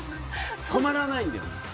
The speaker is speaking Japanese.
止まらないんだよね。